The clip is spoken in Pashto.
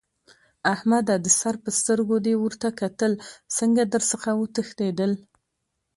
احمده! د سر په سترګو دې ورته کتل؛ څنګه در څخه وتښتېدل؟!